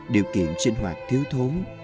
điều kiện sinh hoạt thiếu thốn